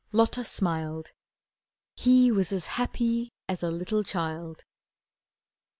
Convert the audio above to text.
Lotta smiled, He was as happy as a little child.